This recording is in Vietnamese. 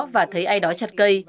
và thấy ai đó chặt cây